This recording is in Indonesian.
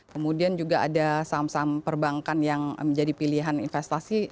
kemudian juga ada saham saham perbankan yang menjadi pilihan investasi